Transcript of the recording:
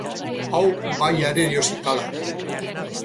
Hau bai arerio zitala